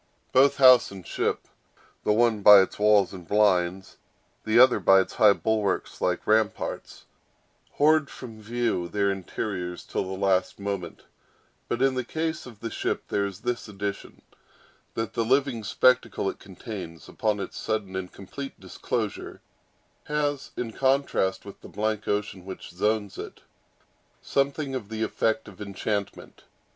Both house and ship—the one by its walls and blinds, the other by its high bulwarks like ramparts—hoard from view their interiors till the last moment: but in the case of the ship there is this addition; that the living spectacle it contains, upon its sudden and complete disclosure, has, in contrast with the blank ocean which zones it, something of the effect of enchantment.